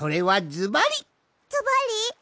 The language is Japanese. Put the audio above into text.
ずばり？